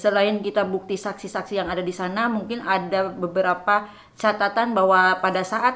selain kita bukti saksi saksi yang ada di sana mungkin ada beberapa catatan bahwa pada saat